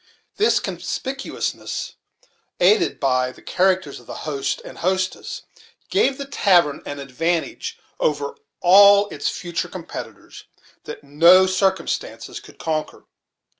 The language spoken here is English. This conspicuousness, aided by the characters of the host and hostess, gave the tavern an advantage over all its future competitors that no circumstances could conquer.